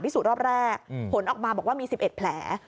สูจนรอบแรกผลออกมาบอกว่ามี๑๑แผล